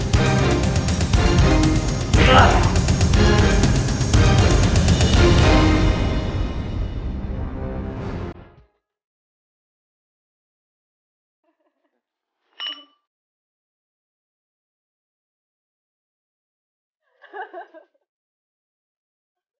saya membutuhkan kehilangan jika melaksanakan perhatian yang amal